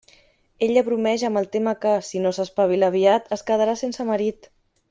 Ella bromeja amb el tema que, si no s'espavila aviat, es quedarà sense marit.